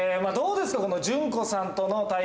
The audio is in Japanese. どうですか？